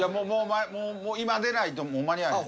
もう今出ないと間に合わへん。